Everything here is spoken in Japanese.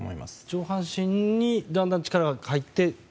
上半身にだんだん力が入って。